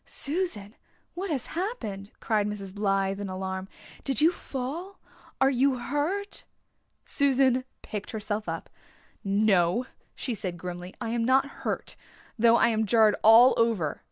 "Susan, what has happened?" cried Mrs. Blythe in alarm. "Did you fall? Are you hurt?" Susan picked herself up. "No," she said grimly, "I am not hurt, though I am jarred all over.